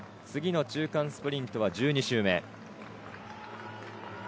次の中間スプリントは１２周目。